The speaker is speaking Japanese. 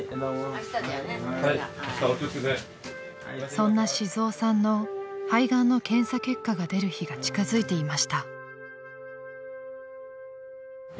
［そんな静雄さんの肺がんの検査結果が出る日が近づいていました］